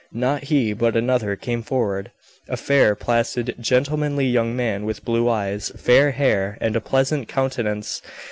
Not he, but another came forward a fair, placid, gentlemanly young man, with blue eyes, fair hair, and a pleasant countenance.